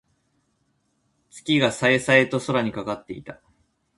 月が冴え冴えと空にかかっていた。